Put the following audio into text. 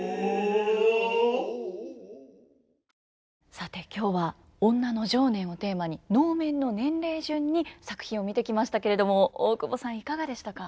さて今日は女の情念をテーマに能面の年齢順に作品を見てきましたけれども大久保さんいかがでしたか？